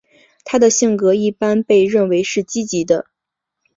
她的性格一般被认为是积极的。